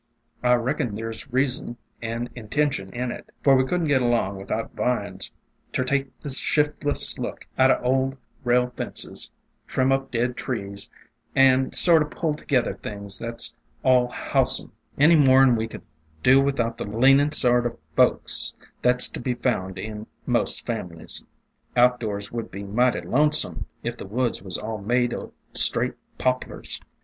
I reckon there 's reason and intention in it, for we could n't get along with out vines ter take the shiftless look out o' old rail fences, trim up dead trees, and sort o' pull together things that 's all howsome, any more 'n we could do without the leanin' sort o' folks that 's to be found in most families. Outdoors would be mighty lonesome if the woods was all made o' straight Poplars.